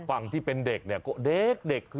ฝั่งที่เป็นเด็กเนี่ยก็เด็ก